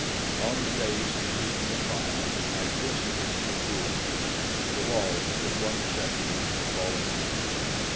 On the day succeeding the fire, I visited the ruins. The walls, with one exception, had fallen in.